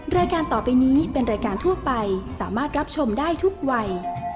รายการต่อไปนี้เป็นรายการทั่วไปสามารถรับชมได้ทุกวัย